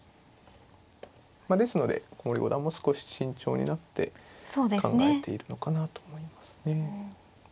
ですので古森五段も少し慎重になって考えているのかなと思いますね。